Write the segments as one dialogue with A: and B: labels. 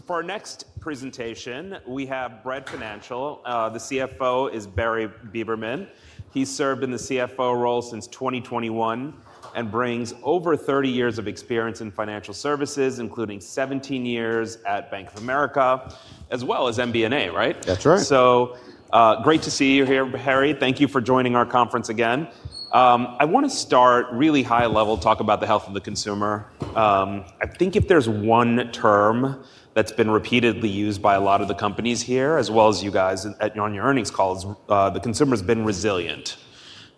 A: For our next presentation, we have Bread Financial. The CFO is Perry Beberman. He's served in the CFO role since 2021 and brings over 30 years of experience in financial services, including 17 years at Bank of America, as well as MBNA, right?
B: That's right.
A: Great to see you here, Perry. Thank you for joining our conference again. I wanna start really high level, talk about the health of the consumer. I think if there's one term that's been repeatedly used by a lot of the companies here, as well as you guys on your earnings calls, the consumer's been resilient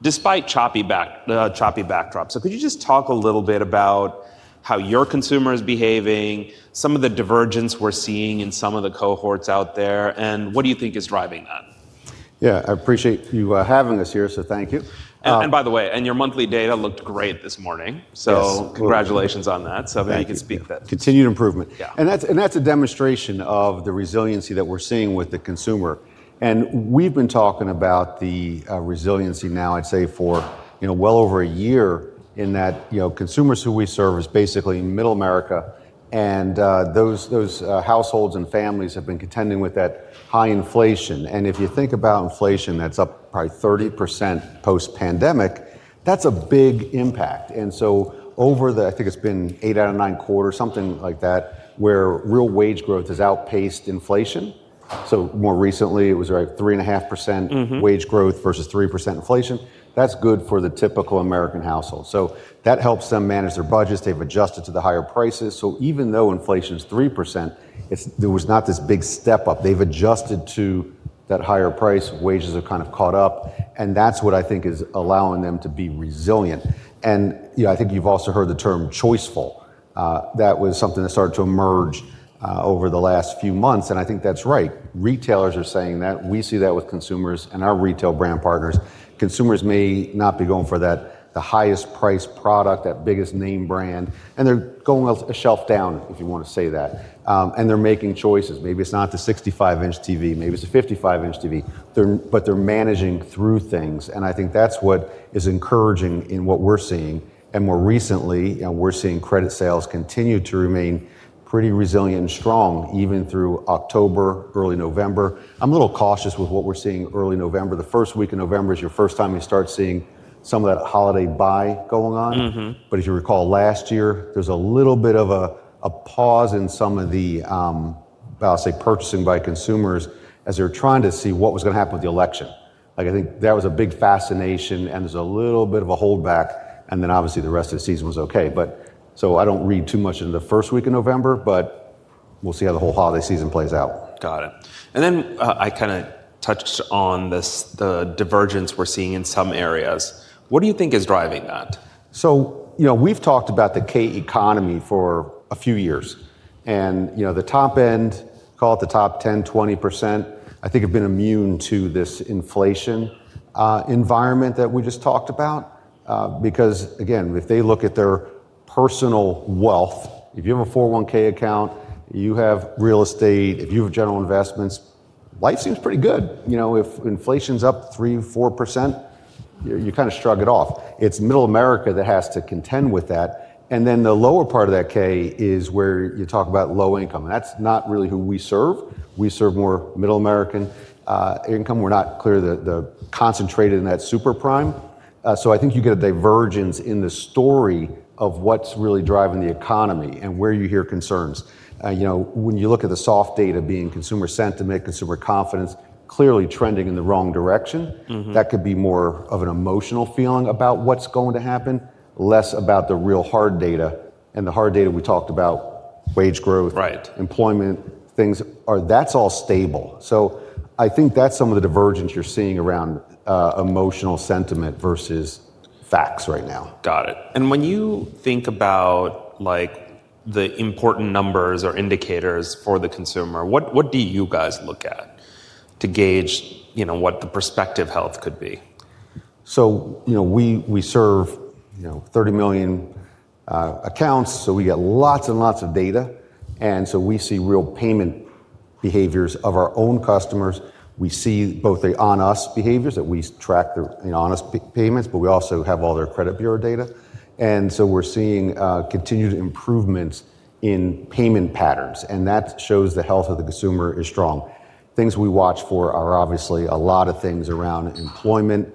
A: despite choppy backdrop. Could you just talk a little bit about how your consumer's behaving, some of the divergence we're seeing in some of the cohorts out there, and what do you think is driving that?
B: Yeah, I appreciate you having us here, so thank you.
A: By the way, your monthly data looked great this morning, so congratulations on that. Maybe you can speak to that.
B: Yeah, continued improvement.
A: Yeah.
B: That's a demonstration of the resiliency that we're seeing with the consumer. We've been talking about the resiliency now, I'd say for, you know, well over a year in that, you know, consumers who we serve is basically in Middle America. Those households and families have been contending with that high inflation. If you think about inflation, that's up probably 30% post-pandemic. That's a big impact. Over the, I think it's been eight out of nine quarters, something like that, where real wage growth has outpaced inflation. More recently, it was like 3.5% wage growth versus 3% inflation. That's good for the typical American household. That helps them manage their budgets. They've adjusted to the higher prices. Even though inflation's 3%, there was not this big step up. They've adjusted to that higher price. Wages have kind of caught up. That is what I think is allowing them to be resilient. You know, I think you've also heard the term choice full. That was something that started to emerge over the last few months. I think that's right. Retailers are saying that. We see that with consumers and our retail brand partners. Consumers may not be going for that, the highest priced product, that biggest name brand, and they're going a shelf down, if you want to say that. They're making choices. Maybe it's not the 65 in TV, maybe it's a 55 in TV. They're managing through things. I think that is what is encouraging in what we're seeing. More recently, you know, we're seeing credit sales continue to remain pretty resilient and strong even through October, early November. I'm a little cautious with what we're seeing early November. The first week of November is your first time you start seeing some of that holiday buy going on.
A: Mm-hmm.
B: If you recall last year, there's a little bit of a pause in some of the, I'll say, purchasing by consumers as they were trying to see what was gonna happen with the election. I think that was a big fascination and there's a little bit of a holdback. Obviously, the rest of the season was okay. I don't read too much in the first week of November, but we'll see how the whole holiday season plays out.
A: Got it. I kind of touched on this, the divergence we're seeing in some areas. What do you think is driving that?
B: You know, we've talked about the K economy for a few years and, you know, the top end, call it the top 10%-20%, I think have been immune to this inflation environment that we just talked about. Because again, if they look at their personal wealth, if you have a 401(k) account, you have real estate, if you have general investments, life seems pretty good. You know, if inflation's up 3%-4%, you kind of shrug it off. It's Middle America that has to contend with that. And then the lower part of that K is where you talk about low income. That's not really who we serve. We serve more Middle American income. We're not clear that we're concentrated in that super prime. I think you get a divergence in the story of what's really driving the economy and where you hear concerns. You know, when you look at the soft data being consumer sentiment, consumer confidence clearly trending in the wrong direction.
A: Mm-hmm.
B: That could be more of an emotional feeling about what's going to happen, less about the real hard data. The hard data we talked about, wage growth.
A: Right.
B: Employment, things are, that's all stable. I think that's some of the divergence you're seeing around, emotional sentiment versus facts right now.
A: Got it. When you think about like the important numbers or indicators for the consumer, what do you guys look at to gauge, you know, what the prospective health could be?
B: You know, we serve 30 million accounts. We got lots and lots of data. We see real payment behaviors of our own customers. We see both the on us behaviors that we track, their on us payments, but we also have all their credit bureau data. We are seeing continued improvements in payment patterns, and that shows the health of the consumer is strong. Things we watch for are obviously a lot of things around employment,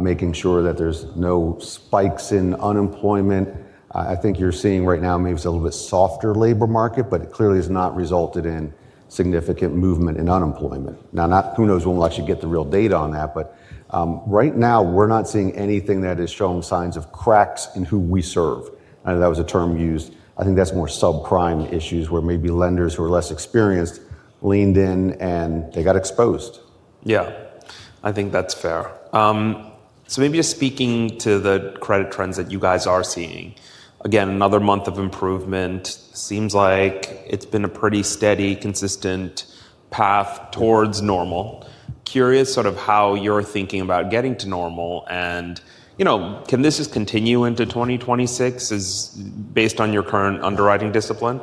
B: making sure that there are no spikes in unemployment. I think you are seeing right now maybe it is a little bit softer labor market, but it clearly has not resulted in significant movement in unemployment. Now, who knows when we will actually get the real data on that, but right now we are not seeing anything that is showing signs of cracks in who we serve. I know that was a term used. I think that's more subprime issues where maybe lenders who are less experienced leaned in and they got exposed.
A: Yeah, I think that's fair. So maybe you're speaking to the credit trends that you guys are seeing. Again, another month of improvement. Seems like it's been a pretty steady, consistent path towards normal. Curious sort of how you're thinking about getting to normal and, you know, can this just continue into 2026 based on your current underwriting discipline?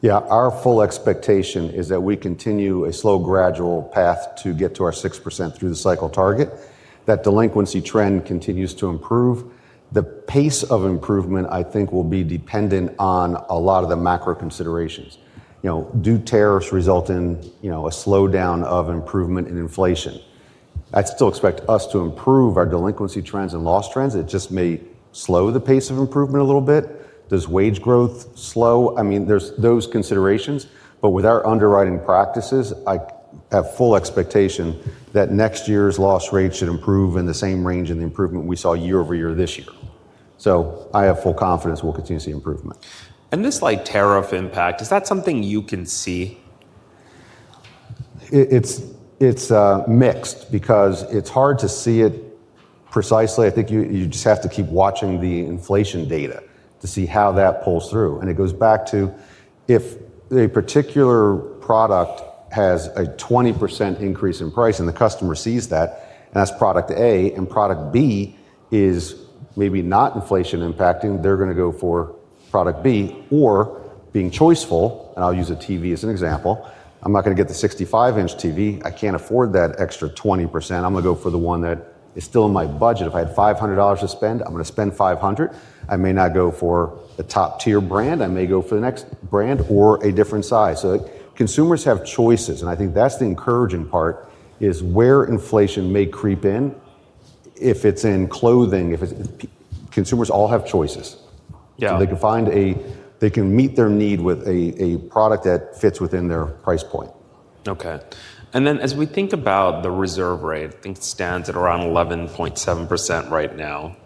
B: Yeah, our full expectation is that we continue a slow, gradual path to get to our 6% through the cycle target. That delinquency trend continues to improve. The pace of improvement I think will be dependent on a lot of the macro considerations. You know, do tariffs result in, you know, a slowdown of improvement in inflation? I'd still expect us to improve our delinquency trends and loss trends. It just may slow the pace of improvement a little bit. Does wage growth slow? I mean, there's those considerations, but with our underwriting practices, I have full expectation that next year's loss rate should improve in the same range and the improvement we saw year-over-year this year. I have full confidence we'll continue to see improvement.
A: Is this like tariff impact, is that something you can see?
B: It's mixed because it's hard to see it precisely. I think you just have to keep watching the inflation data to see how that pulls through. It goes back to if a particular product has a 20% increase in price and the customer sees that, and that's product A, and product B is maybe not inflation impacting, they're gonna go for product B or being choiceful. I'll use a TV as an example. I'm not gonna get the 65 in TV. I can't afford that extra 20%. I'm gonna go for the one that is still in my budget. If I had $500 to spend, I'm gonna spend $500. I may not go for the top tier brand. I may go for the next brand or a different size. Consumers have choices. I think that's the encouraging part, where inflation may creep in. If it's in clothing, if it's consumers all have choices.
A: Yeah.
B: They can meet their need with a product that fits within their price point.
A: Okay. And then as we think about the reserve rate, things stand at around 11.7% right now.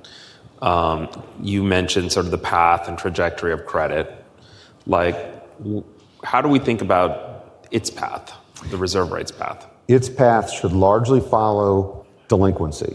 A: You mentioned sort of the path and trajectory of credit. Like how do we think about its path, the reserve rate's path?
B: Its path should largely follow delinquency.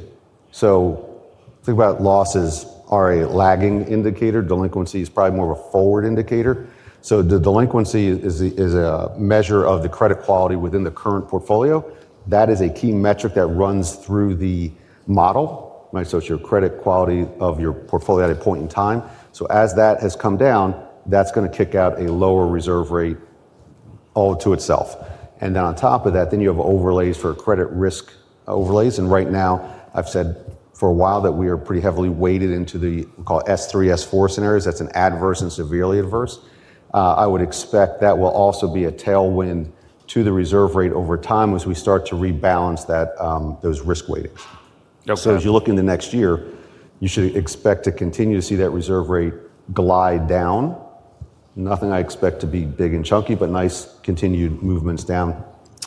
B: Think about losses are a lagging indicator. Delinquency is probably more of a forward indicator. Delinquency is a measure of the credit quality within the current portfolio. That is a key metric that runs through the model. My associate credit quality of your portfolio at a point in time. As that has come down, that's gonna kick out a lower reserve rate all to itself. On top of that, you have overlays for credit risk overlays. Right now I've said for a while that we are pretty heavily weighted into the, we call S3, S4 scenarios. That's an adverse and severely adverse. I would expect that will also be a tailwind to the reserve rate over time as we start to rebalance that, those risk weightings.
A: Okay.
B: As you look in the next year, you should expect to continue to see that reserve rate glide down. Nothing I expect to be big and chunky, but nice continued movements down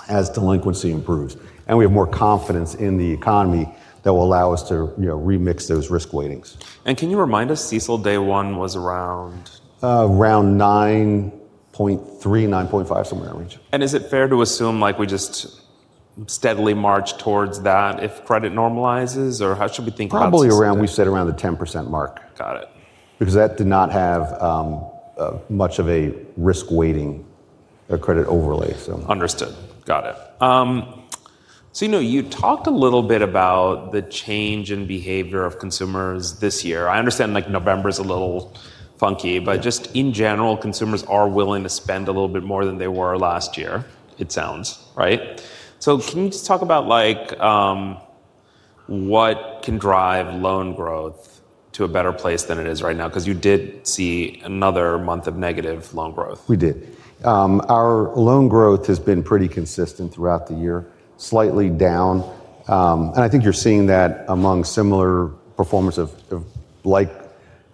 B: as delinquency improves. And we have more confidence in the economy that will allow us to, you know, remix those risk weightings.
A: Can you remind us, Cecil, day one was around?
B: around 9.3-9.5, somewhere in that range.
A: Is it fair to assume like we just steadily march towards that if credit normalizes, or how should we think about?
B: Probably around, we said around the 10% mark.
A: Got it.
B: Because that did not have much of a risk weighting or credit overlay, so.
A: Understood. Got it. So you know, you talked a little bit about the change in behavior of consumers this year. I understand like November's a little funky, but just in general, consumers are willing to spend a little bit more than they were last year, it sounds right. So can you just talk about like, what can drive loan growth to a better place than it is right now? 'Cause you did see another month of negative loan growth.
B: We did. Our loan growth has been pretty consistent throughout the year, slightly down. I think you're seeing that among similar performers of, like,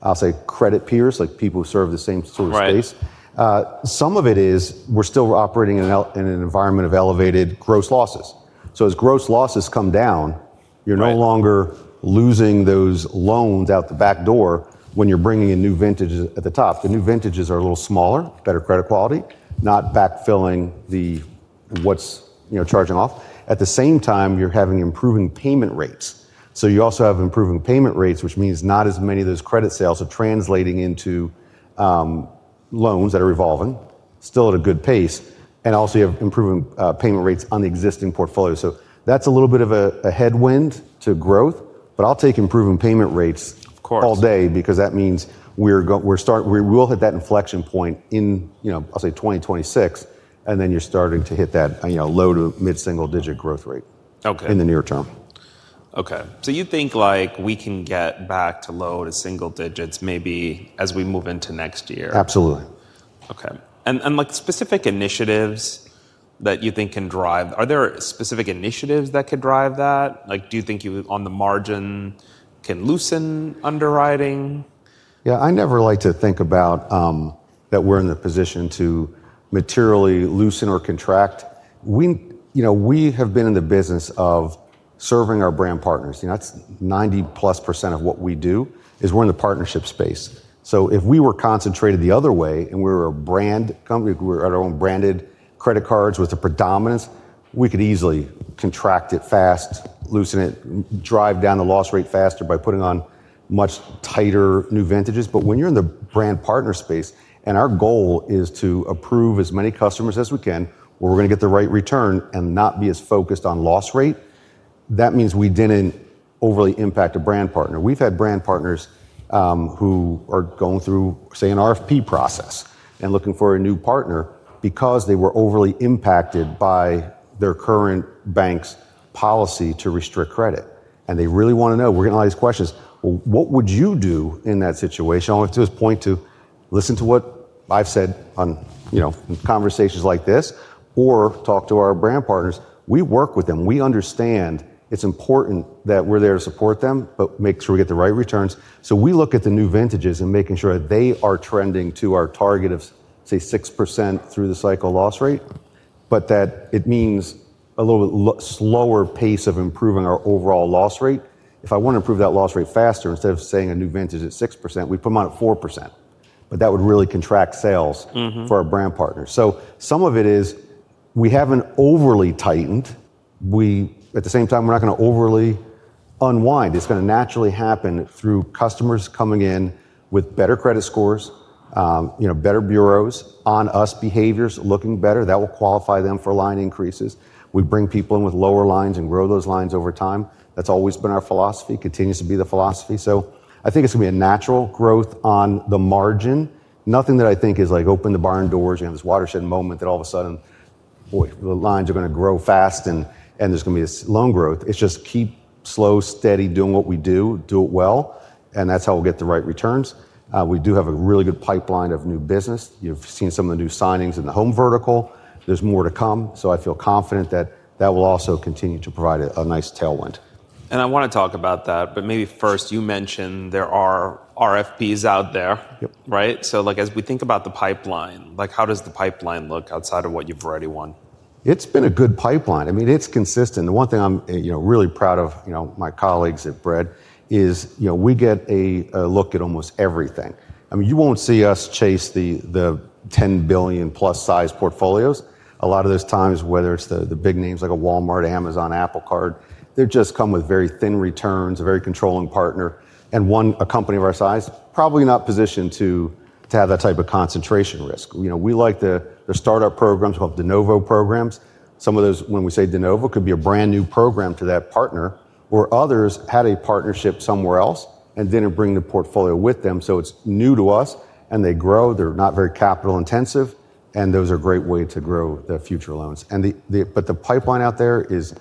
B: I'll say credit peers, like people who serve the same sort of space.
A: Right.
B: Some of it is we're still operating in an environment of elevated gross losses. As gross losses come down, you're no longer losing those loans out the back door when you're bringing in new vintages at the top. The new vintages are a little smaller, better credit quality, not backfilling the what's, you know, charging off. At the same time, you're having improving payment rates. You also have improving payment rates, which means not as many of those credit sales are translating into loans that are evolving, still at a good pace. Also, you have improving payment rates on the existing portfolio. That's a little bit of a headwind to growth, but I'll take improving payment rates.
A: Of course.
B: All day, because that means we are go, we're start, we will hit that inflection point in, you know, I'll say 2026, and then you're starting to hit that, you know, low to mid-single digit growth rate.
A: Okay.
B: In the near term.
A: Okay. So you think like we can get back to low to single digits maybe as we move into next year?
B: Absolutely.
A: Okay. And, like specific initiatives that you think can drive, are there specific initiatives that could drive that? Like do you think you on the margin can loosen underwriting?
B: Yeah, I never like to think about that we're in the position to materially loosen or contract. We, you know, we have been in the business of serving our brand partners. You know, that's 90%+ of what we do is we're in the partnership space. If we were concentrated the other way and we were a brand company, we were our own branded credit cards with a predominance, we could easily contract it fast, loosen it, drive down the loss rate faster by putting on much tighter new vintages. When you're in the brand partner space and our goal is to approve as many customers as we can, where we're gonna get the right return and not be as focused on loss rate, that means we didn't overly impact a brand partner. We've had brand partners, who are going through, say, an RFP process and looking for a new partner because they were overly impacted by their current bank's policy to restrict credit. They really wanna know, we're getting all these questions. What would you do in that situation? I wanna just point to listen to what I've said on, you know, conversations like this or talk to our brand partners. We work with them. We understand it's important that we're there to support them, but make sure we get the right returns. We look at the new vintages and making sure that they are trending to our target of, say, 6% through the cycle loss rate, but that it means a little slower pace of improving our overall loss rate. If I wanna improve that loss rate faster, instead of saying a new vintage at 6%, we put 'em on at 4%, but that would really contract sales.
A: Mm-hmm.
B: For our brand partners. Some of it is we have not overly tightened. At the same time, we are not gonna overly unwind. It is gonna naturally happen through customers coming in with better credit scores, you know, better bureaus on us, behaviors looking better that will qualify them for line increases. We bring people in with lower lines and grow those lines over time. That has always been our philosophy, continues to be the philosophy. I think it is gonna be a natural growth on the margin. Nothing that I think is like open the barn doors, you know, this watershed moment that all of a sudden, boy, the lines are gonna grow fast and there is gonna be this loan growth. It is just keep slow, steady, doing what we do, do it well. That is how we will get the right returns. We do have a really good pipeline of new business. You've seen some of the new signings in the home vertical. There's more to come. I feel confident that that will also continue to provide a nice tailwind.
A: I wanna talk about that, but maybe first you mentioned there are RFPs out there, right? Like as we think about the pipeline, how does the pipeline look outside of what you've already won?
B: It's been a good pipeline. I mean, it's consistent. The one thing I'm, you know, really proud of, you know, my colleagues at Bread is, you know, we get a look at almost everything. I mean, you won't see us chase the $10+ billion size portfolios. A lot of those times, whether it's the big names like a Walmart, Amazon, Apple Card, they just come with very thin returns, a very controlling partner. And one, a company of our size, probably not positioned to have that type of concentration risk. You know, we like the startup programs called Denovo programs. Some of those, when we say Denovo, could be a brand new program to that partner or others had a partnership somewhere else and didn't bring the portfolio with them. It's new to us and they grow, they're not very capital intensive and those are a great way to grow the future loans. The pipeline out there has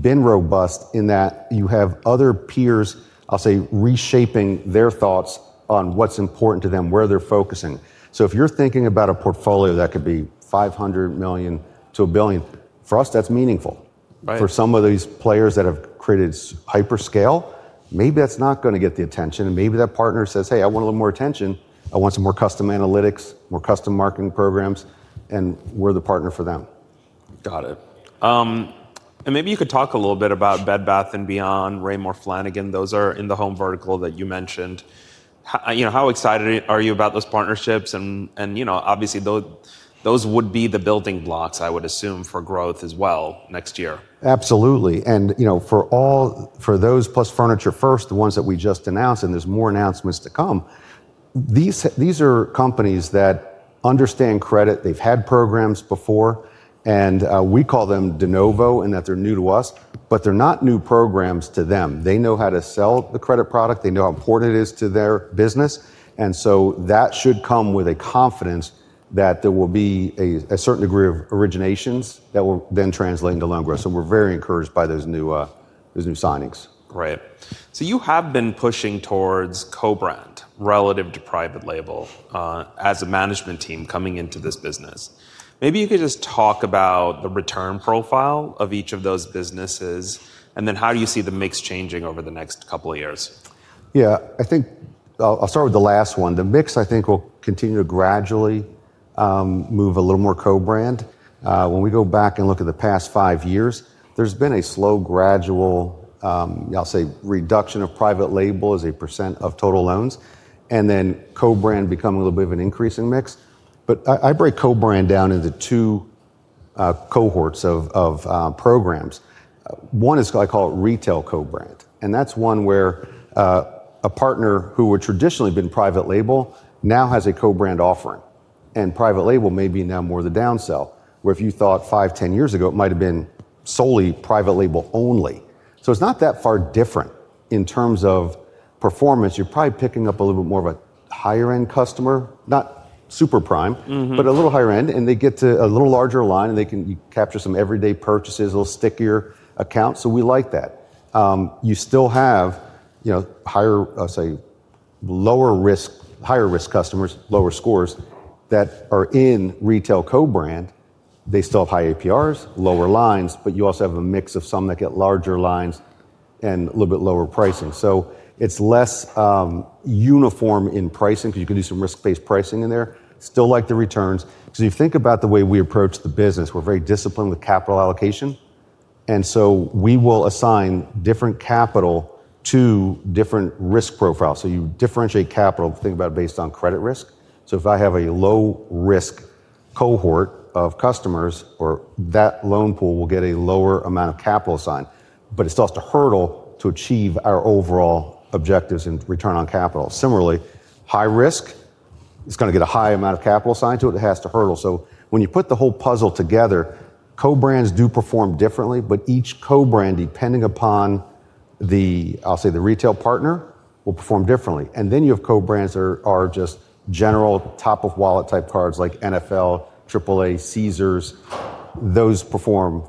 B: been robust in that you have other peers, I'll say, reshaping their thoughts on what's important to them, where they're focusing. If you're thinking about a portfolio that could be $500 million-$1 billion, for us, that's meaningful.
A: Right.
B: For some of these players that have created hyperscale, maybe that's not gonna get the attention. Maybe that partner says, hey, I wanna a little more attention. I want some more custom analytics, more custom marketing programs, and we're the partner for them.
A: Got it. And maybe you could talk a little bit about Bed Bath & Beyond, Raymour & Flanigan. Those are in the home vertical that you mentioned. How, you know, how excited are you about those partnerships? And, you know, obviously those, those would be the building blocks, I would assume, for growth as well next year.
B: Absolutely. You know, for all, for those plus Furniture First, the ones that we just announced, and there are more announcements to come, these are companies that understand credit. They have had programs before, and we call them Denovo in that they are new to us, but they are not new programs to them. They know how to sell the credit product. They know how important it is to their business. That should come with a confidence that there will be a certain degree of originations that will then translate into loan growth. We are very encouraged by those new signings.
A: Right. So you have been pushing towards co-brand relative to private label, as a management team coming into this business. Maybe you could just talk about the return profile of each of those businesses and then how do you see the mix changing over the next couple of years?
B: Yeah, I think I'll start with the last one. The mix, I think, will continue to gradually move a little more co-brand. When we go back and look at the past five years, there's been a slow, gradual, I'll say reduction of private label as a percent of total loans and then co-brand becoming a little bit of an increasing mix. But I break co-brand down into two cohorts of programs. One is, I call it retail co-brand. And that's one where a partner who would traditionally have been private label now has a co-brand offering. And private label may be now more the downsell where if you thought five, 10 years ago, it might've been solely private label only. It's not that far different in terms of performance. You're probably picking up a little bit more of a higher end customer, not super prime.
A: Mm-hmm.
B: A little higher end. And they get to a little larger line and they can, you capture some everyday purchases, a little stickier accounts. So we like that. You still have, you know, higher, say lower risk, higher risk customers, lower scores that are in retail co-brand. They still have high APRs, lower lines, but you also have a mix of some that get larger lines and a little bit lower pricing. So it is less uniform in pricing because you can do some risk-based pricing in there. Still like the returns. Because if you think about the way we approach the business, we are very disciplined with capital allocation. And so we will assign different capital to different risk profiles. So you differentiate capital, think about it based on credit risk. If I have a low risk cohort of customers or that loan pool will get a lower amount of capital assigned, but it still has to hurdle to achieve our overall objectives and return on capital. Similarly, high risk is gonna get a high amount of capital assigned to it. It has to hurdle. When you put the whole puzzle together, co-brands do perform differently, but each co-brand, depending upon the, I'll say the retail partner, will perform differently. You have co-brands that are just general top of wallet type cards like NFL, AAA, Caesars. Those perform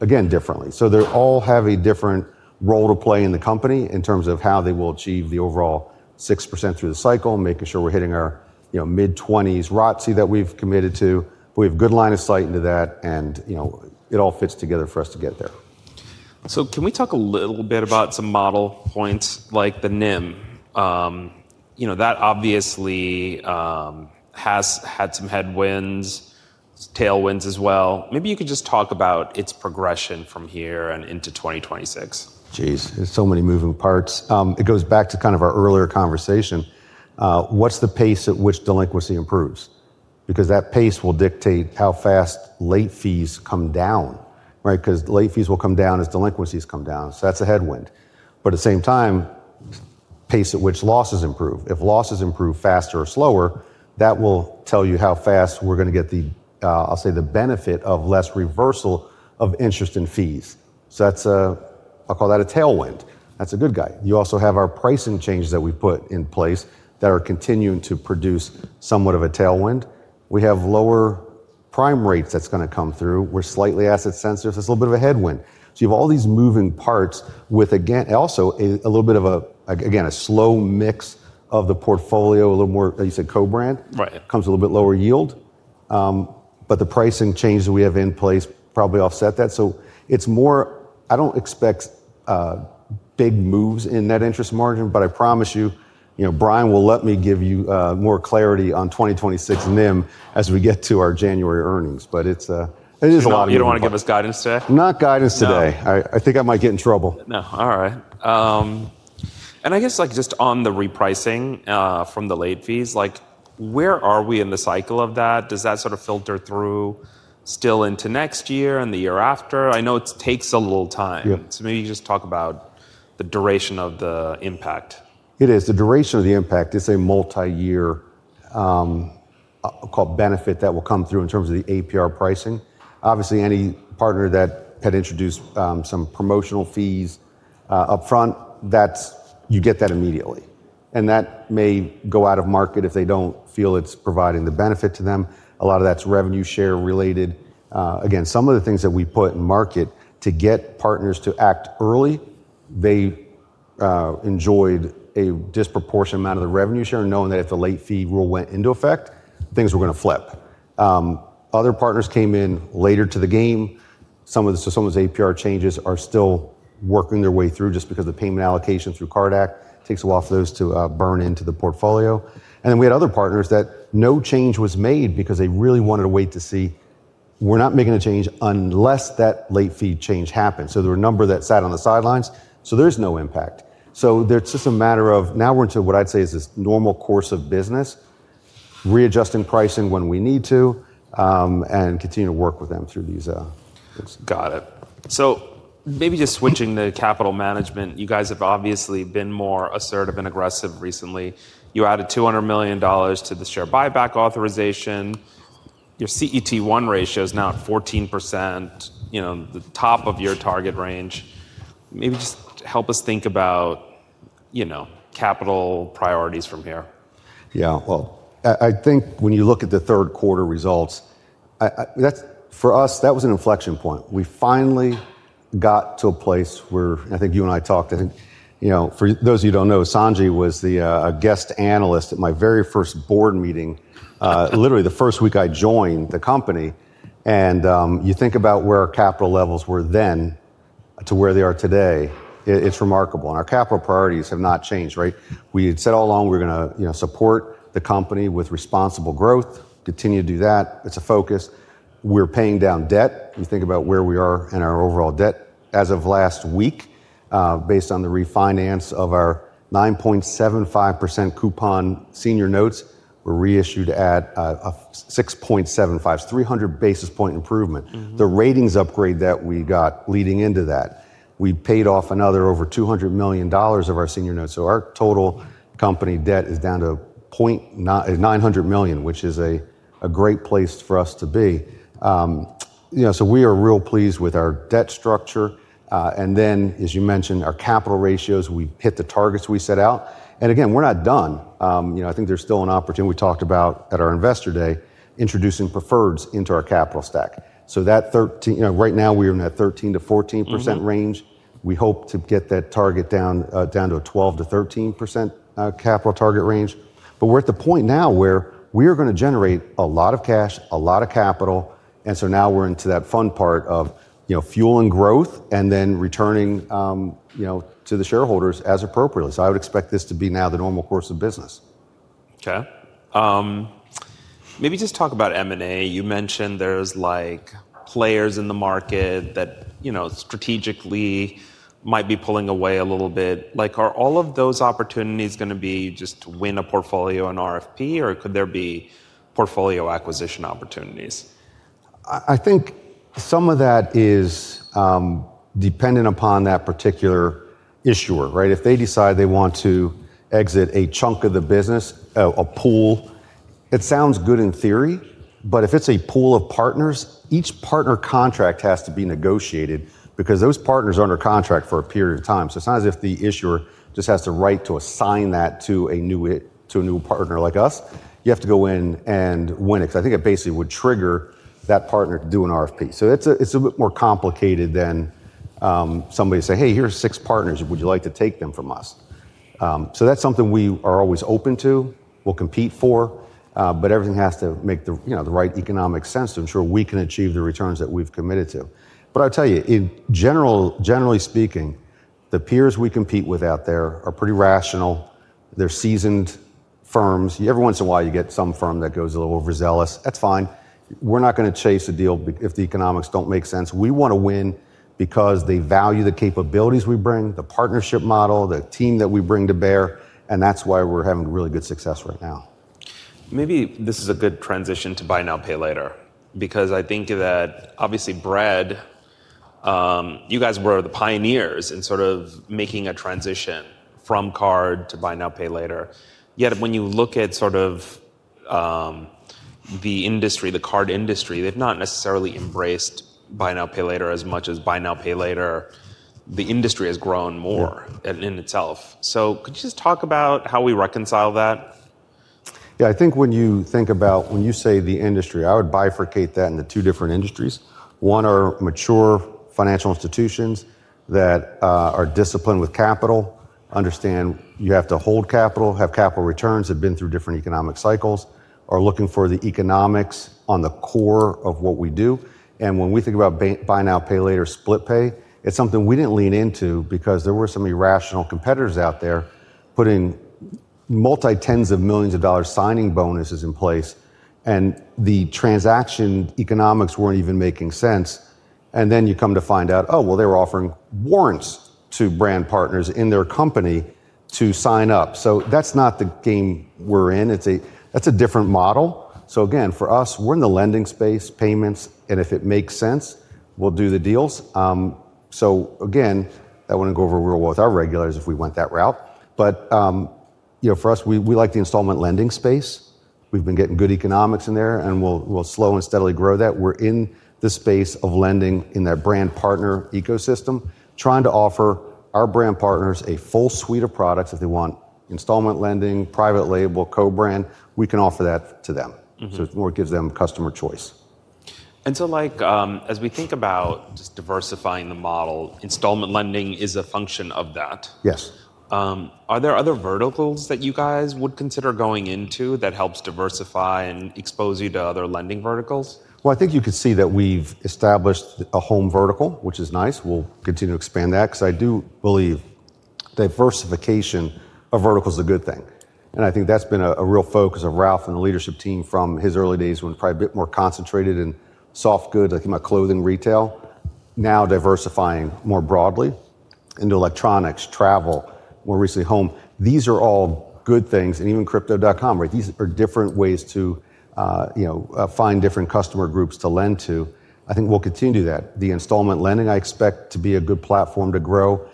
B: again differently. They all have a different role to play in the company in terms of how they will achieve the overall 6% through the cycle, making sure we're hitting our, you know, mid-twenties ROTCE that we've committed to. We have good line of sight into that and, you know, it all fits together for us to get there.
A: Can we talk a little bit about some model points like the NIM? You know, that obviously has had some headwinds, tailwinds as well. Maybe you could just talk about its progression from here and into 2026.
B: Geez, there's so many moving parts. It goes back to kind of our earlier conversation. What's the pace at which delinquency improves? Because that pace will dictate how fast late fees come down, right? 'Cause late fees will come down as delinquencies come down. That's a headwind. At the same time, pace at which losses improve. If losses improve faster or slower, that will tell you how fast we're gonna get the, I'll say the benefit of less reversal of interest and fees. That's a, I'll call that a tailwind. That's a good guy. You also have our pricing changes that we put in place that are continuing to produce somewhat of a tailwind. We have lower prime rates that's gonna come through. We're slightly asset sensitive. It's a little bit of a headwind. You have all these moving parts with, again, also a little bit of a slow mix of the portfolio, a little more, you said co-brand.
A: Right.
B: Comes a little bit lower yield, but the pricing change that we have in place probably offset that. It is more, I do not expect big moves in net interest margin, but I promise you, you know, Brian will let me give you more clarity on 2026 NIM as we get to our January earnings. It is a lot of.
A: You don't wanna give us guidance today?
B: Not guidance today. I think I might get in trouble.
A: No. All right. And I guess like just on the repricing, from the late fees, like where are we in the cycle of that? Does that sort of filter through still into next year and the year after? I know it takes a little time.
B: Yeah.
A: Maybe you just talk about the duration of the impact.
B: It is. The duration of the impact is a multi-year, called benefit that will come through in terms of the APR pricing. Obviously, any partner that had introduced some promotional fees upfront, you get that immediately. That may go out of market if they do not feel it is providing the benefit to them. A lot of that is revenue share related. Again, some of the things that we put in market to get partners to act early, they enjoyed a disproportionate amount of the revenue share and knowing that if the late fee rule went into effect, things were going to flip. Other partners came in later to the game. Some of those APR changes are still working their way through just because the payment allocation through CardAC takes a while for those to burn into the portfolio. We had other partners that no change was made because they really wanted to wait to see, we're not making a change unless that late fee change happens. There were a number that sat on the sidelines. There is no impact. It is just a matter of now we're into what I'd say is this normal course of business, readjusting pricing when we need to, and continue to work with them through these,
A: Got it. Maybe just switching to capital management, you guys have obviously been more assertive and aggressive recently. You added $200 million to the share buyback authorization. Your CET1 ratio is now at 14%, you know, the top of your target range. Maybe just help us think about, you know, capital priorities from here.
B: Yeah. I think when you look at the third quarter results, I think for us, that was an inflection point. We finally got to a place where I think you and I talked, I think, you know, for those of you who do not know, Sanjay was a guest analyst at my very first board meeting, literally the first week I joined the company. You think about where our capital levels were then to where they are today, it is remarkable. Our capital priorities have not changed, right? We had said all along we were gonna, you know, support the company with responsible growth, continue to do that. It is a focus. We are paying down debt. You think about where we are in our overall debt as of last week, based on the refinance of our 9.75% coupon senior notes, we reissued at a 6.75%, 300 basis point improvement.
A: Mm-hmm.
B: The ratings upgrade that we got leading into that, we paid off another over $200 million of our senior notes. Our total company debt is down to $900 million, which is a great place for us to be. You know, we are real pleased with our debt structure. As you mentioned, our capital ratios, we hit the targets we set out. Again, we're not done. You know, I think there's still an opportunity we talked about at our investor day, introducing preferreds into our capital stack. That 13, you know, right now we are in that 13%-14% range. We hope to get that target down to a 12%-13% capital target range. We are at the point now where we are gonna generate a lot of cash, a lot of capital. We're into that fun part of, you know, fueling growth and then returning, you know, to the shareholders as appropriately. I would expect this to be now the normal course of business.
A: Okay. Maybe just talk about M&A. You mentioned there's like players in the market that, you know, strategically might be pulling away a little bit. Like, are all of those opportunities gonna be just to win a portfolio and RFP, or could there be portfolio acquisition opportunities?
B: I think some of that is dependent upon that particular issuer, right? If they decide they want to exit a chunk of the business, a pool, it sounds good in theory, but if it's a pool of partners, each partner contract has to be negotiated because those partners are under contract for a period of time. It's not as if the issuer just has the right to assign that to a new, to a new partner like us. You have to go in and win it. 'Cause I think it basically would trigger that partner to do an RFP. It's a bit more complicated than somebody saying, hey, here's six partners. Would you like to take them from us? That is something we are always open to, we will compete for, but everything has to make the, you know, the right economic sense to ensure we can achieve the returns that we have committed to. I will tell you, generally speaking, the peers we compete with out there are pretty rational. They are seasoned firms. Every once in a while, you get some firm that goes a little overzealous. That is fine. We are not going to chase a deal if the economics do not make sense. We want to win because they value the capabilities we bring, the partnership model, the team that we bring to bear. That is why we are having really good success right now.
A: Maybe this is a good transition to buy now, pay later, because I think that obviously Bread, you guys were the pioneers in sort of making a transition from card to buy now, pay later. Yet when you look at, sort of, the industry, the card industry, they've not necessarily embraced buy now, pay later as much as buy now, pay later. The industry has grown more in itself. Could you just talk about how we reconcile that?
B: Yeah. I think when you think about, when you say the industry, I would bifurcate that into two different industries. One are mature financial institutions that are disciplined with capital, understand you have to hold capital, have capital returns, have been through different economic cycles, are looking for the economics on the core of what we do. When we think about buy now, pay later, split pay, it's something we didn't lean into because there were some irrational competitors out there putting multi-tens of millions of dollars signing bonuses in place. The transaction economics weren't even making sense. You come to find out, oh, well, they were offering warrants to brand partners in their company to sign up. That's not the game we're in. That's a different model. Again, for us, we're in the lending space, payments, and if it makes sense, we'll do the deals. I wanna go over real well with our regulators if we went that route. You know, for us, we like the installment lending space. We've been getting good economics in there and we'll slow and steadily grow that. We're in the space of lending in that brand partner ecosystem, trying to offer our brand partners a full suite of products if they want installment lending, private label, co-brand. We can offer that to them.
A: Mm-hmm.
B: It more gives them customer choice.
A: As we think about just diversifying the model, installment lending is a function of that.
B: Yes.
A: Are there other verticals that you guys would consider going into that helps diversify and expose you to other lending verticals?
B: I think you could see that we've established a home vertical, which is nice. We'll continue to expand that. 'Cause I do believe diversification of verticals is a good thing. I think that's been a real focus of Ralph and the leadership team from his early days when probably a bit more concentrated in soft goods, like in my clothing retail, now diversifying more broadly into electronics, travel, more recently home. These are all good things. Even Crypto.com, right? These are different ways to, you know, find different customer groups to lend to. I think we'll continue to do that. The installment lending, I expect to be a good platform to grow,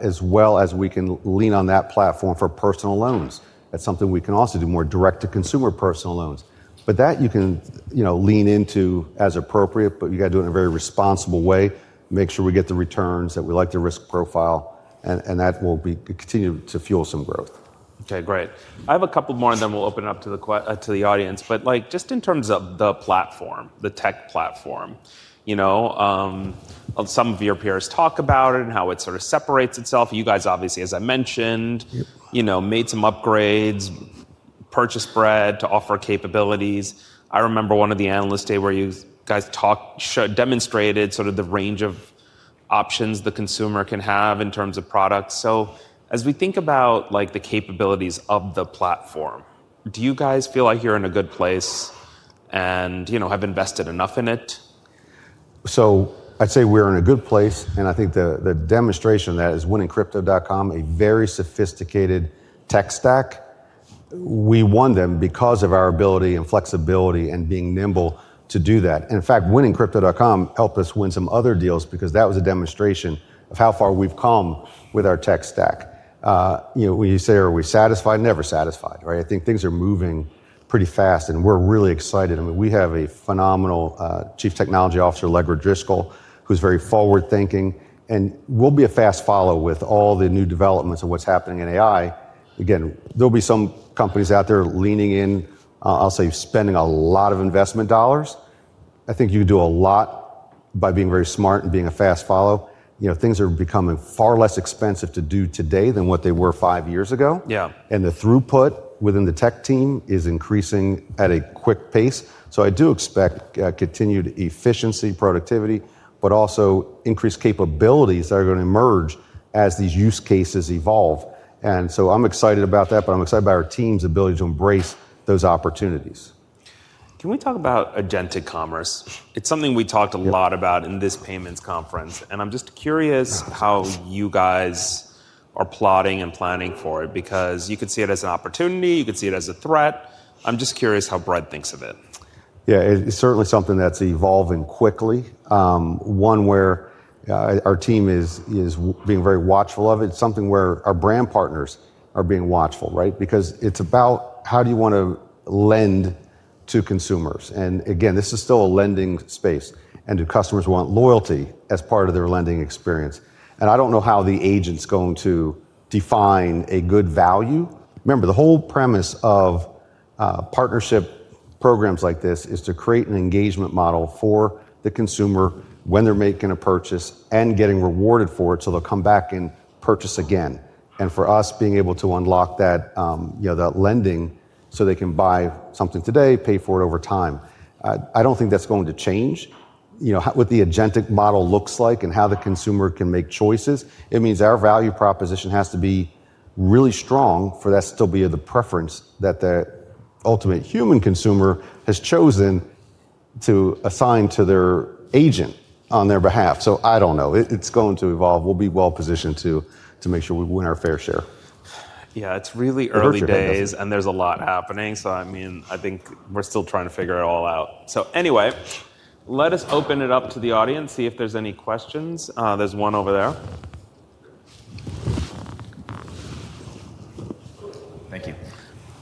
B: as well as we can lean on that platform for personal loans. That's something we can also do more direct-to-consumer personal loans. You can, you know, lean into as appropriate, but you gotta do it in a very responsible way, make sure we get the returns that we like the risk profile, and that will continue to fuel some growth.
A: Okay. Great. I have a couple more and then we'll open up to the ques to the audience. Like just in terms of the platform, the tech platform, you know, some of your peers talk about it and how it sort of separates itself. You guys obviously, as I mentioned, you know, made some upgrades, purchased Bread to offer capabilities. I remember one of the analysts day where you guys talked, demonstrated sort of the range of options the consumer can have in terms of products. As we think about like the capabilities of the platform, do you guys feel like you're in a good place and, you know, have invested enough in it?
B: I'd say we are in a good place. I think the demonstration of that is winning Crypto.com, a very sophisticated tech stack. We won them because of our ability and flexibility and being nimble to do that. In fact, winning Crypto.com helped us win some other deals because that was a demonstration of how far we've come with our tech stack. You know, when you say, are we satisfied? Never satisfied, right? I think things are moving pretty fast and we're really excited. I mean, we have a phenomenal Chief Technology Officer, Allegra Driscoll, who's very forward-thinking and will be a fast follower with all the new developments of what's happening in AI. Again, there'll be some companies out there leaning in, I'll say spending a lot of investment dollars. I think you do a lot by being very smart and being a fast follow. You know, things are becoming far less expensive to do today than what they were five years ago.
A: Yeah.
B: The throughput within the tech team is increasing at a quick pace. I do expect continued efficiency, productivity, but also increased capabilities that are gonna emerge as these use cases evolve. I am excited about that, but I am excited by our team's ability to embrace those opportunities.
A: Can we talk about agentic commerce? It's something we talked a lot about in this payments conference. I'm just curious how you guys are plotting and planning for it because you could see it as an opportunity, you could see it as a threat. I'm just curious how Bread thinks of it.
B: Yeah. It's certainly something that's evolving quickly. One where our team is being very watchful of it. It's something where our brand partners are being watchful, right? Because it's about how do you wanna lend to consumers? And again, this is still a lending space and do customers want loyalty as part of their lending experience? I don't know how the agent's going to define a good value. Remember the whole premise of partnership programs like this is to create an engagement model for the consumer when they're making a purchase and getting rewarded for it. They'll come back and purchase again. For us, being able to unlock that, you know, that lending so they can buy something today, pay for it over time. I don't think that's going to change, you know, how what the agentic model looks like and how the consumer can make choices. It means our value proposition has to be really strong for that to still be the preference that the ultimate human consumer has chosen to assign to their agent on their behalf. So I don't know. It, it's going to evolve. We'll be well positioned to, to make sure we win our fair share.
A: Yeah. It's really early days and there's a lot happening. I mean, I think we're still trying to figure it all out. Anyway, let us open it up to the audience, see if there's any questions. There's one over there. Thank you.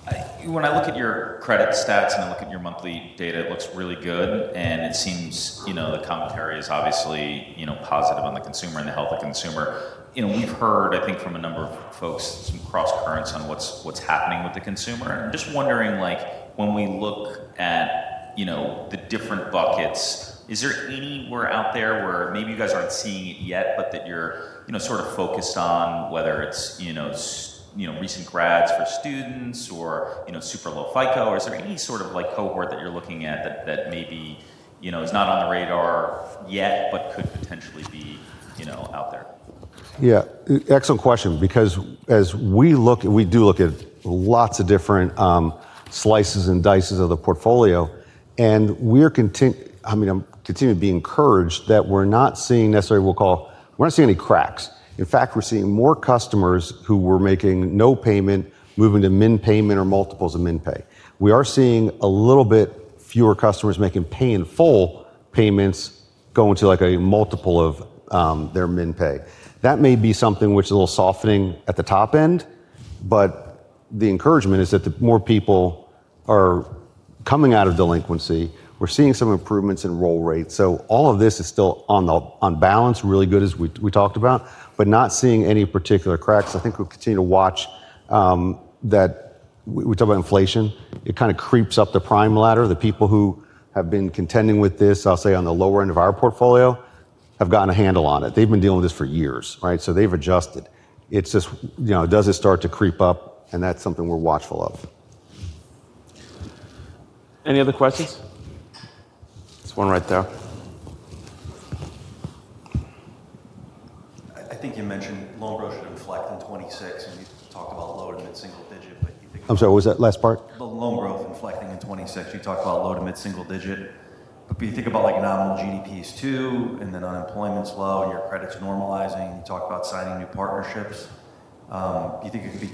A: I, when I look at your credit stats and I look at your monthly data, it looks really good. And it seems, you know, the commentary is obviously, you know, positive on the consumer and the health of consumer. You know, we've heard, I think from a number of folks, some cross currents on what's, what's happening with the consumer. Just wondering, like when we look at, you know, the different buckets, is there anywhere out there where maybe you guys aren't seeing it yet, but that you're, you know, sort of focused on whether it's, you know, recent grads or students or, you know, super low FICO, or is there any sort of like cohort that you're looking at that, that maybe, you know, is not on the radar yet, but could potentially be, you know, out there?
B: Yeah. Excellent question. Because as we look, we do look at lots of different slices and dices of the portfolio. And we are, I mean, I continue to be encouraged that we're not seeing necessarily, we'll call, we're not seeing any cracks. In fact, we're seeing more customers who were making no payment, moving to min payment or multiples of min pay. We are seeing a little bit fewer customers making pay in full payments going to like a multiple of their min pay. That may be something which is a little softening at the top end, but the encouragement is that more people are coming out of delinquency, we're seeing some improvements in roll rate. All of this is still on balance, really good as we talked about, but not seeing any particular cracks. I think we'll continue to watch, that we talk about inflation. It kind of creeps up the prime ladder. The people who have been contending with this, I'll say on the lower end of our portfolio, have gotten a handle on it. They've been dealing with this for years, right? So they've adjusted. It's just, you know, does it start to creep up? And that's something we're watchful of.
A: Any other questions? This one right there. I think you mentioned loan growth should inflect in 2026 and we talked about low to mid single digit, but you think.
B: I'm sorry, what was that last part? The loan growth inflecting in 2026. You talked about low to mid single digit, but you think about like nominal GDPs too, and then unemployment's low and your credits are normalizing. You talked about signing new partnerships. Do you think it could be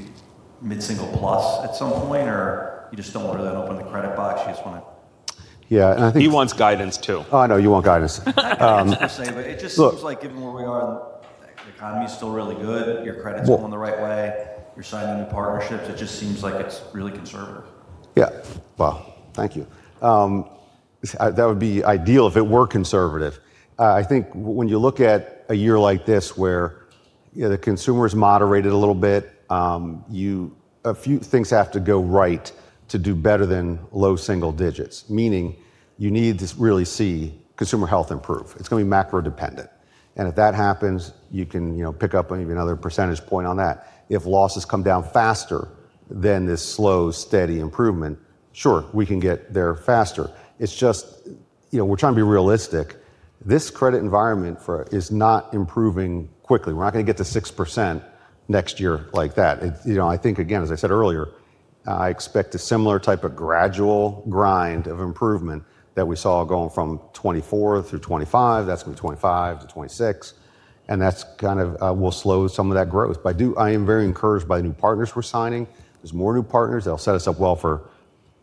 B: mid single plus at some point or you just don't want to really open the credit box? You just wanna. Yeah. I think.
A: He wants guidance too.
B: Oh, I know you want guidance. I was gonna say, but it just seems like given where we are in the economy's still really good, your credit's going the right way, you're signing new partnerships, it just seems like it's really conservative. Yeah. Wow. Thank you. That would be ideal if it were conservative. I think when you look at a year like this where, you know, the consumer's moderated a little bit, you, a few things have to go right to do better than low single digits, meaning you need to really see consumer health improve. It's gonna be macro dependent. If that happens, you can, you know, pick up maybe another percentage point on that. If losses come down faster than this slow, steady improvement, sure, we can get there faster. It's just, you know, we're trying to be realistic. This credit environment is not improving quickly. We're not gonna get to 6% next year like that. I think again, as I said earlier, I expect a similar type of gradual grind of improvement that we saw going from 2024 through 2025. That's gonna be 2025 to 2026. And that's kind of, will slow some of that growth. But I do, I am very encouraged by new partners we're signing. There's more new partners. That'll set us up well for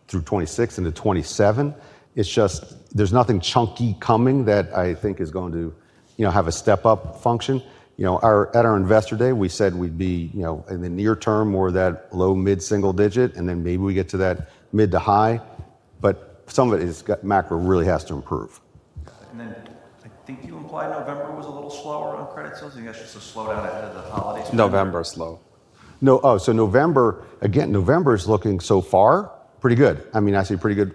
B: through 2026 into 2027. It's just, there's nothing chunky coming that I think is going to, you know, have a step up function. You know, our, at our investor day, we said we'd be, you know, in the near term more of that low mid single digit, and then maybe we get to that mid to high. But some of it is got macro really has to improve. I think you implied November was a little slower on credit sales. I think that's just a slowdown ahead of the holidays. November slow. No. Oh, so November, again, November's looking so far pretty good. I mean, I say pretty good,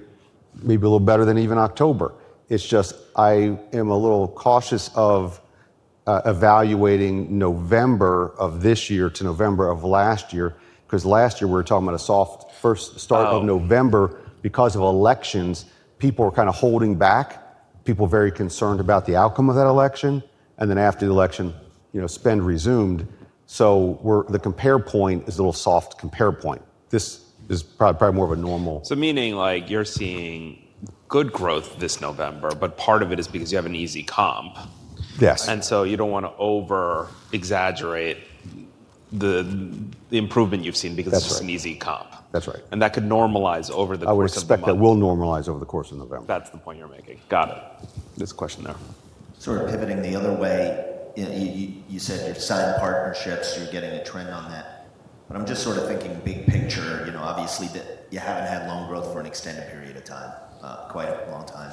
B: maybe a little better than even October. It's just, I am a little cautious of evaluating November of this year to November of last year. 'Cause last year we were talking about a soft first start of November because of elections. People were kind of holding back, people very concerned about the outcome of that election. And then after the election, you know, spend resumed. The compare point is a little soft compare point. This is probably, probably more of a normal.
A: Meaning like you're seeing good growth this November, but part of it is because you have an easy comp.
B: Yes.
A: You don't wanna over exaggerate the improvement you've seen because it's an easy comp.
B: That's right.
A: That could normalize over the course of November.
B: I would expect that will normalize over the course of November.
A: That's the point you're making. Got it.
B: This question there. Sort of pivoting the other way. You know, you said you're signed partnerships, you're getting a trend on that. I'm just sort of thinking big picture, you know, obviously that you haven't had loan growth for an extended period of time, quite a long time.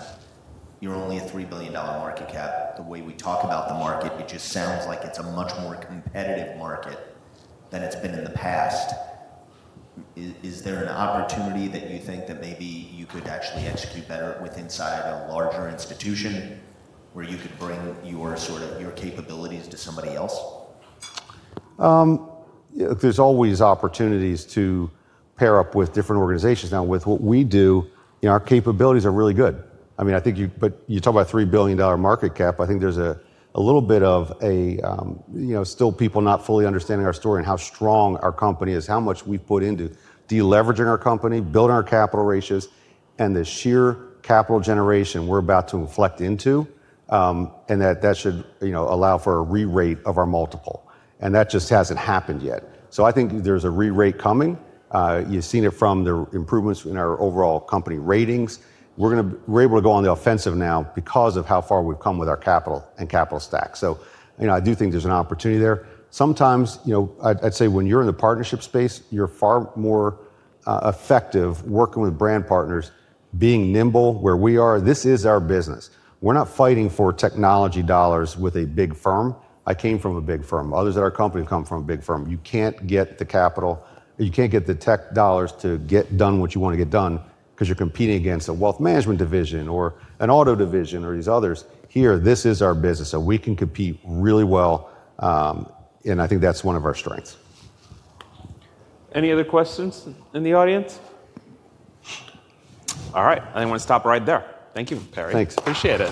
B: You're only a $3 billion market cap. The way we talk about the market, it just sounds like it's a much more competitive market than it's been in the past. Is there an opportunity that you think that maybe you could actually execute better with inside a larger institution where you could bring your sort of, your capabilities to somebody else? There's always opportunities to pair up with different organizations. Now with what we do, you know, our capabilities are really good. I mean, I think you, but you talk about $3 billion market cap. I think there's a little bit of a, you know, still people not fully understanding our story and how strong our company is, how much we put into deleveraging our company, building our capital ratios, and the sheer capital generation we're about to inflect into, and that, that should, you know, allow for a re-rate of our multiple. That just hasn't happened yet. I think there's a re-rate coming. You've seen it from the improvements in our overall company ratings. We're gonna, we're able to go on the offensive now because of how far we've come with our capital and capital stack. You know, I do think there's an opportunity there. Sometimes, you know, I'd say when you're in the partnership space, you're far more effective working with brand partners, being nimble where we are. This is our business. We're not fighting for technology dollars with a big firm. I came from a big firm. Others at our company have come from a big firm. You can't get the capital, you can't get the tech dollars to get done what you wanna get done 'cause you're competing against a wealth management division or an auto division or these others. Here, this is our business. We can compete really well. I think that's one of our strengths.
A: Any other questions in the audience? All right. I wanna stop right there. Thank you, Perry.
B: Thanks.
A: Appreciate it.